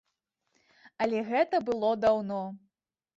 Але гэта было даўно.